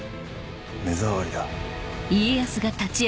目障りだ。